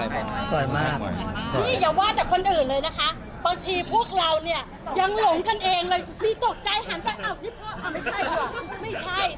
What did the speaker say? พ่อแก่แล้วก็ร้องไห้